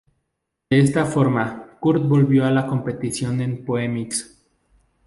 De esta forma, Kurt volvió a la competición en Phoenix.